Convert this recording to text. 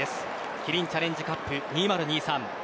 キリンチャレンジカップ２０２３